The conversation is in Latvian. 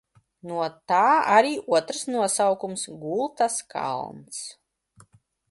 "No tā arī otrs nosaukums "Gultas kalns"."